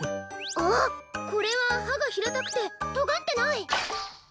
あっこれははがひらたくてとがってない！